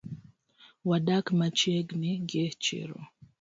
Wadak machiegni gi chiro